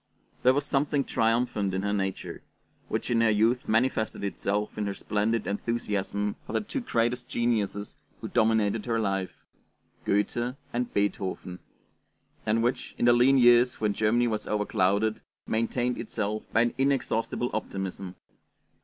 There was something triumphant in her nature, which in her youth manifested itself in her splendid enthusiasm for the two great geniuses who dominated her life, Goethe and Beethoven, and which, in the lean years when Germany was overclouded, maintained itself by an inexhaustible optimism.